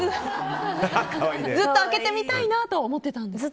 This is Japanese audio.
ずっと開けてみたいなとは思ってたんですか？